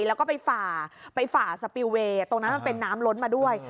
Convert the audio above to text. แล้วก็ไปฝ่าไปฝ่าสปิลเวย์ตรงนั้นมันเป็นน้ำล้นมาด้วย